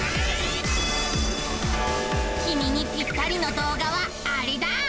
きみにぴったりの動画はアレだ！